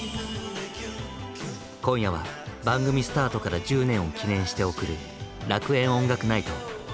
今夜は番組スタートから１０年を記念して贈る楽園音楽ナイト！